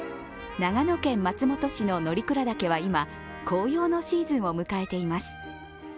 長野県松本市の乗鞍岳は今、紅葉のシーズンを迎えています。